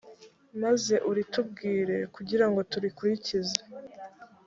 maze uritubwire, kugira ngo turikurikize.